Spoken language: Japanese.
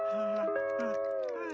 うん？